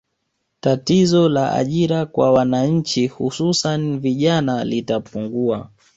Tatizo la ajira kwa wananchi hususani vijana litapungua